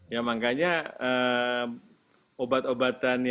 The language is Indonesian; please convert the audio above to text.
ya makanya obat obatan yang diuji